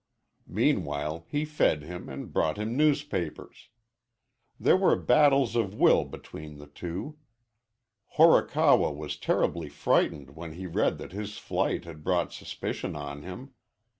Meanwhile he fed him and brought him newspapers. There were battles of will between the two. Horikawa was terribly frightened when he read that his flight had brought suspicion on him.